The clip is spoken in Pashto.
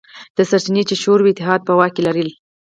سرچینې چې شوروي اتحاد په واک کې لرلې.